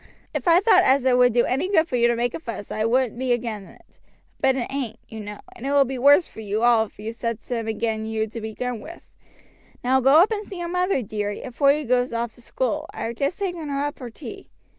If I thought as it would do any good for you to make a fuss I wouldn't be agin it: but it ain't, you know, and it will be worse for you all if you sets him agin you to begin with. Now go up and see your mother, dearie, afore you goes off to school. I have just taken her up her tea."